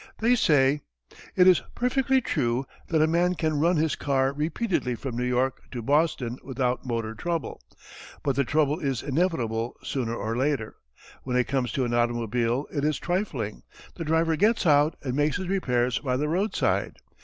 They say: It is perfectly true that a man can run his car repeatedly from New York to Boston without motor trouble. But the trouble is inevitable sooner or later. When it comes to an automobile it is trifling. The driver gets out and makes his repairs by the roadside.